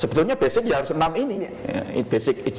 sebetulnya basic ya harus enam ini